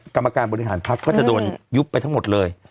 กรรมการบริหารพักก็จะโดนยุบไปทั้งหมดเลย